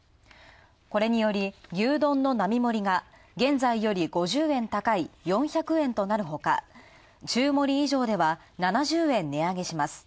これにより、牛丼の並盛が、現在より５０円高い４００円となるほか、中盛以上は７０円値上げします。